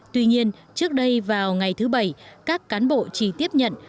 tuy nhiên trước đây vào ngày thứ bảy các cán bộ chỉ tiếp nhận